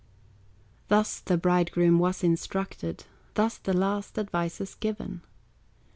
Thus the bridegroom was instructed, Thus the last advices given.